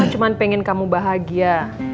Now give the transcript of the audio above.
cuma pengen kamu bahagia